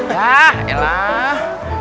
yah ya lah